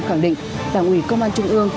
khẳng định đảng ủy công an trung ương